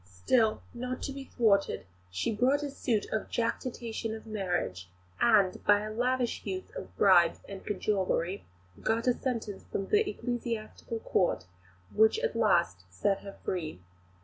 Still, not to be thwarted, she brought a suit of jactitation of marriage, and, by a lavish use of bribes and cajolery, got a sentence from the Ecclesiastical Court which at last set her free.